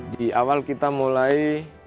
di awal kita mulai